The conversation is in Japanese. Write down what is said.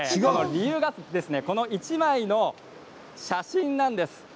理由がですね、この１枚の写真なんです。